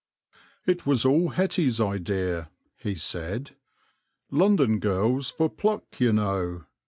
" It was all Hetty's idea," he said. " London girls for pluck, you know